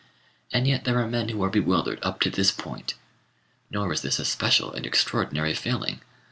And yet there are men who are bewildered up to this point. Nor is this a special and extraordinary failing.